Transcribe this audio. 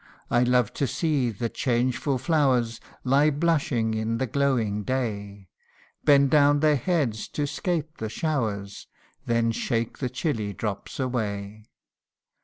I love to see the changeful flowers Lie blushing in the glowing day Bend down their heads to 'scape the showers, Then shake the chilly drops away.